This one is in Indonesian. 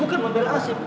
bukan membela asing